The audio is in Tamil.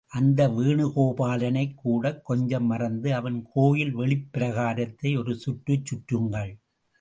அந்த வேணுகோபாலனைக் கூடக் கொஞ்சம் மறந்து அவன் கோயில் வெளிப் பிரகாரத்தை ஒரு சுற்றுச் சுற்றுங்கள்.